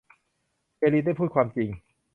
เอลีนได้พูดความจริง